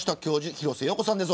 廣瀬陽子さんです。